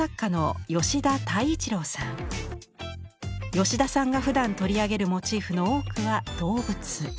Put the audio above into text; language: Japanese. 吉田さんがふだん取り上げるモチーフの多くは動物。